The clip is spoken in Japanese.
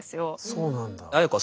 そうなんだ。